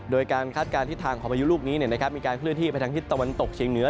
โดยการคาดการณ์ทิศทางของพายุลูกนี้มีการเคลื่อนที่ไปทางทิศตะวันตกเชียงเหนือ